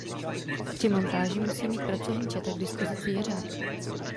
Při montáži musí mít pracovní četa k dispozici jeřáb.